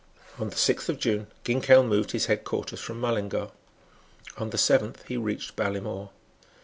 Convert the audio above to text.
On the sixth of June Ginkell moved his head quarters from Mullingar. On the seventh he reached Ballymore.